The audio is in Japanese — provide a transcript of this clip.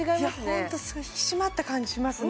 ホント引き締まった感じしますね